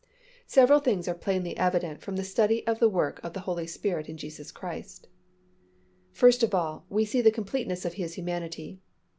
Several things are plainly evident from this study of the work of the Holy Spirit in Jesus Christ: First of all, we see the completeness of His humanity.